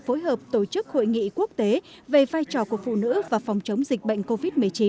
phối hợp tổ chức hội nghị quốc tế về vai trò của phụ nữ và phòng chống dịch bệnh covid một mươi chín